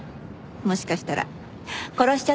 もしかしたら殺しちゃったのかもって。